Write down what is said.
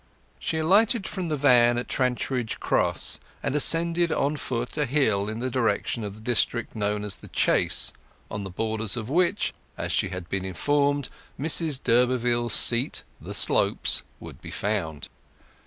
She alighted from the van at Trantridge Cross, and ascended on foot a hill in the direction of the district known as The Chase, on the borders of which, as she had been informed, Mrs d'Urberville's seat, The Slopes, would be found.